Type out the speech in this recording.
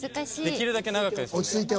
できるだけ長くですよね。